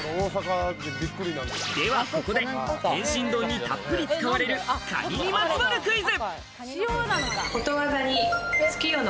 では、ここで天津丼にたっぷり使われるカニにまつわるクイズ。